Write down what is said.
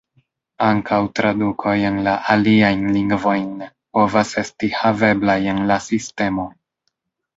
Ankaŭ tradukoj en la aliajn lingvojn povas esti haveblaj en la sistemo.